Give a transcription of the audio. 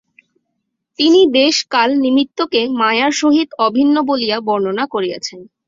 তিনি দেশ-কাল-নিমিত্তকে মায়ার সহিত অভিন্ন বলিয়া বর্ণনা করিয়াছেন।